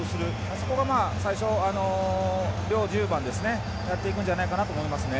そこが最初、両１０番がやっていくんじゃないかなと思いますね。